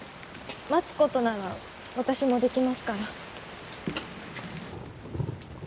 待つことなら私もできますから。